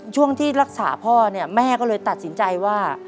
ช่วงที่รักษาพ่อเนี่ยแม่ก็เลยตัดสินใจว่า